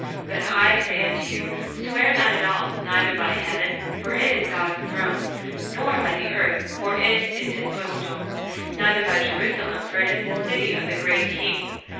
But I say unto you, Swear not at all; neither by heaven; for it is God's throne: nor by the earth; for it is his footstool: neither by Jerusalem; for it is the city of the great King.